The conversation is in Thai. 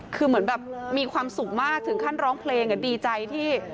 คือเหมือนแบบมีความสุขมากถึงขั้นร้องเพลงดีใจที่